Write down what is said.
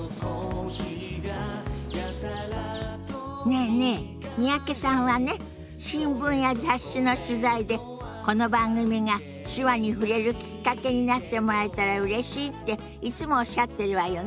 ねえねえ三宅さんはね新聞や雑誌の取材でこの番組が手話に触れるきっかけになってもらえたらうれしいっていつもおっしゃってるわよね。